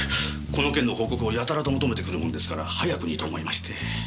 この件の報告をやたらと求めてくるもんですから早くにと思いまして。